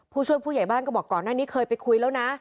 ผู้ช่วยผู้ใหญ่บ้านก็บอกก่อนหน้านี้เคยไปคุยแล้วนะ